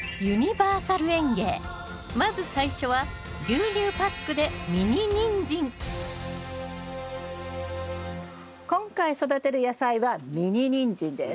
まず最初は今回育てる野菜はミニニンジンです。